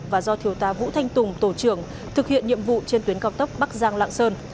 và do thiếu tá vũ thanh tùng tổ trưởng thực hiện nhiệm vụ trên tuyến cao tốc bắc giang lạng sơn